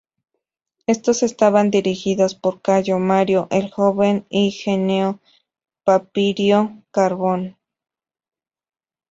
Estos estaban dirigidos por Cayo Mario el joven y Gneo Papirio Carbón.